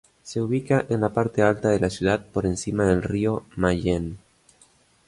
Se ubica en la parte alta de la ciudad, por encima del río Mayenne.